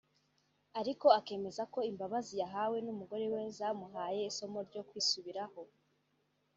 ariko akemeza ko imbabazi yahawe n’umugore we zamuhaye isomo ryo kwisubiraho